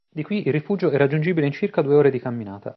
Di qui il rifugio è raggiungibile in circa due ore di camminata.